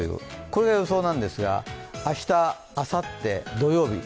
これが予想なんですが、明日、あさって、土曜日。